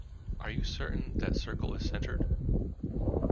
Are you certain that circle is centered?